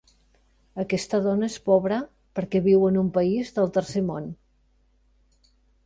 Aquesta dona és pobra perquè viu en un país del Tercer Món